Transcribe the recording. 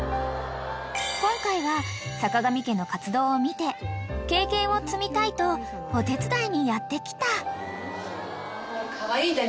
［今回はさかがみ家の活動を見て経験を積みたいとお手伝いにやって来た］